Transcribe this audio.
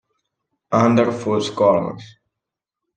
Under False Colors